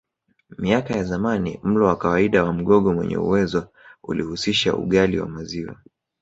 Miaka ya zamani mlo wa kawaida wa Mgogo mwenye uwezo ulihusisha ugali na maziwa